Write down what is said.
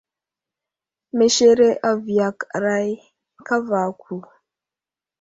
Meshere a viyakaray kava aku.